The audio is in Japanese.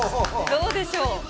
どうでしょう？